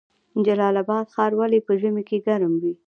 جلال اباد ښار ولې په ژمي کې ګرم وي؟